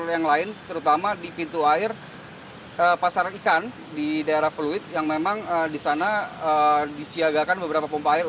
yang lain terutama di pintu air pasar ikan di daerah fluid yang memang di sana disiagakan beberapa pompa air